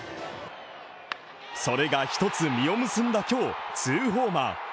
それが一つ、実を結んだ今日２ホーマー。